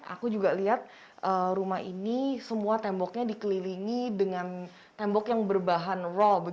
aku juga lihat rumah ini semua temboknya dikelilingi dengan tembok yang berbahan roll